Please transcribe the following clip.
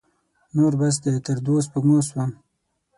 نور بس دی؛ تر دوو سپږمو سوم.